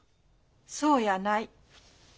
そうやない。